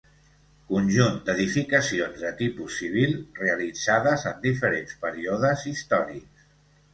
Conjunt d'edificacions de tipus civil realitzades en diferents períodes històrics.